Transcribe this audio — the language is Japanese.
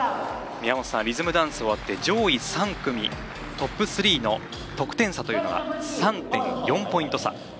リズムダンス終わって上位３組、トップ３の得点差というのが３．４ポイント差。